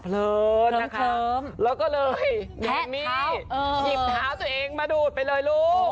แล้วก็เลยแม่นี้หยิบท้าตัวเองมาดูดไปเลยลูก